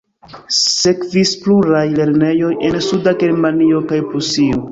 Sekvis pluraj lernejoj en suda Germanio kaj Prusio.